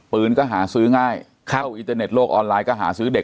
ปืนก็หาซื้อง่ายเข้าอินเทอร์เน็ตโลกออนไลน์ก็หาซื้อเด็ก